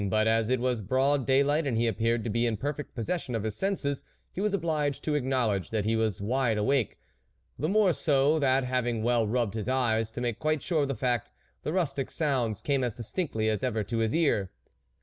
But as it was broad day light, and he appeared to be in perfect possession of his senses, he was obliged to acknowledge that he was wide awake, the more so, that having well rubbed his eyes, to make quite sure of the fact, the rustic sounds came as distinctly as ever to his ear.